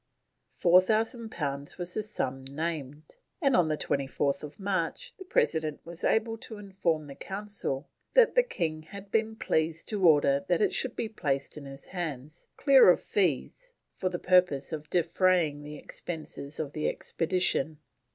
Four thousand pounds was the sum named, and on 24th March the President was able to inform the Council that the King had been pleased to order that it should be placed in his hands, "clear of fees," for the purpose of defraying the expenses of the expedition.